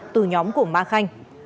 từ nhóm của ma khanh